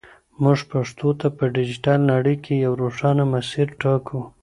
موږ پښتو ته په ډیجیټل نړۍ کې یو روښانه مسیر ټاکو.